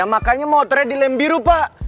makanya motornya dilem biru pak